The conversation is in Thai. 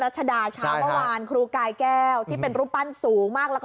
ชดาเช้าเมื่อวานครูกายแก้วที่เป็นรูปปั้นสูงมากแล้วก็